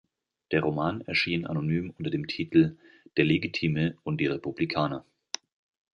Der Roman erschien anonym unter dem Titel "Der Legitime und die Republikaner.